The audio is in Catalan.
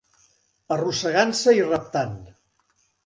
Arrossegant-se i reptant